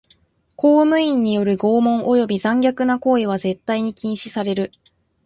公務員による拷問および残虐な行為は絶対に禁止される。